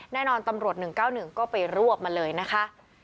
ตำรวจ๑๙๑ก็ไปรวบมาเลยนะคะ